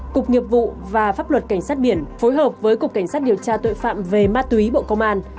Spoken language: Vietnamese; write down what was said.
cục nghiệp vụ và pháp luật cảnh sát biển phối hợp với cục cảnh sát điều tra tội phạm về ma túy bộ công an